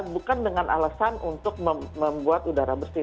bukan dengan alasan untuk membuat udara bersih